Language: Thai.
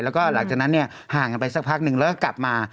แล้วก็หลังจากนั้นเนี่ยห่างกันไปสักพักหนึ่งแล้วก็กลับมา